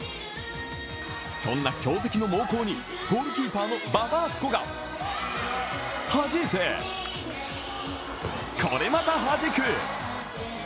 そんな強敵の猛攻にゴールキーパーの馬場敦子がはじいて、これまたはじく。